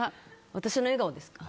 私の笑顔ですか。